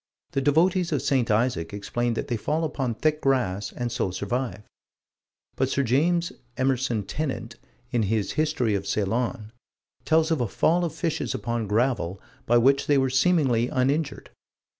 The devotees of St. Isaac explain that they fall upon thick grass and so survive: but Sir James Emerson Tennant, in his History of Ceylon, tells of a fall of fishes upon gravel, by which they were seemingly uninjured.